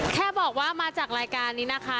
แค่บอกว่ามาจากรายการนี้นะคะ